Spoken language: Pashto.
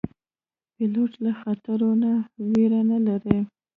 پیلوټ له خطرو نه ویره نه لري.